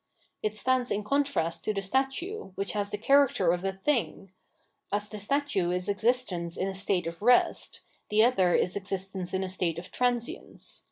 It stands in contrast to the statue, which has the character of a " thing.^' As the statue is ex istence in a state of rest, the other is existence in a state of transience.